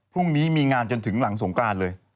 พรุ่งนี้มีงานจนถึงหลังสงกรานเลย